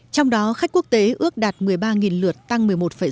trong đó khách quốc tế ước đạt một mươi ba lượt tăng một mươi một chín